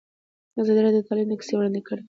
ازادي راډیو د تعلیم کیسې وړاندې کړي.